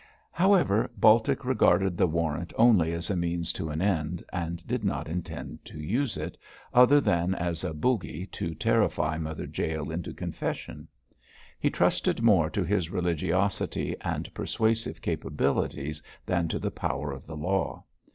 However, Baltic regarded the warrant only as a means to an end, and did not intend to use it, other than as a bogey to terrify Mother Jael into confession. He trusted more to his religiosity and persuasive capabilities than to the power of the law.